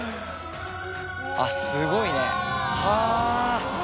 あっすごいねはぁ！